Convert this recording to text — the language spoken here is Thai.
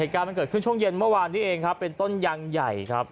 การมันเกิดขึ้นช่วงเย็นเมื่อวานนี้เองครับเป็นต้นยางใหญ่ครับ